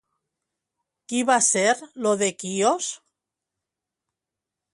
Qui va ser Ió de Quios?